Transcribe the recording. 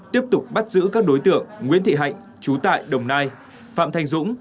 tiếp tục bắt giữ các đối tượng nguyễn thị hạnh chú tại đồng nai phạm thành dũng